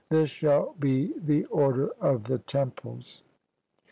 This shall be the order of the temples.